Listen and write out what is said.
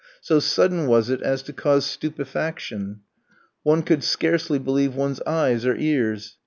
So sudden was it as to cause stupefaction; one could scarcely believe one's eyes or ears.